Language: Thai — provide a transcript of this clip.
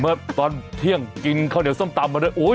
เมื่อตอนเที่ยงกินข้าวเหนียวส้มตำมาด้วยโอ๊ย